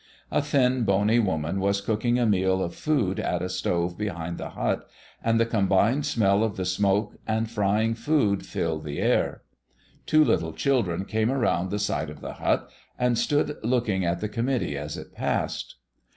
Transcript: A thin, bony woman was cooking a meal of food at a stove behind the hut, and the combined smell of the smoke and frying food filled the air. Two little children came around the side of the hut and stood looking at the committee as it passed.